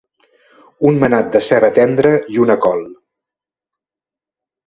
Un manat de ceba tendra i una col.